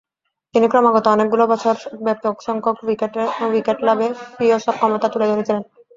তিনি ক্রমাগত অনেকগুলো বছর ব্যাপকসংখ্যক উইকেট লাভে স্বীয় সক্ষমতা তুলে ধরেছিলেন।